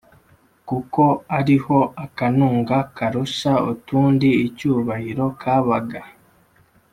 kuko ari ho akanunga karusha utundi icyubahiro kabaga